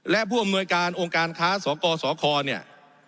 และผู้อำนวยการองค์การค้าสกสคเนี่ย